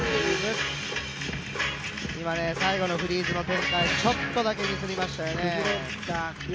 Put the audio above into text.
今、最後のフリーズの展開ちょっとだけミスりましたよね。